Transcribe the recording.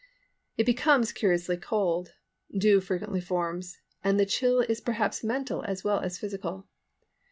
It becomes curiously cold, dew frequently forms, and the chill is perhaps mental as well as physical.